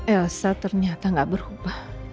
elsa ternyata gak berubah